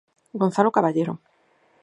Gonzalo Caballero.